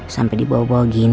sampai dibawa bawa gini antingnya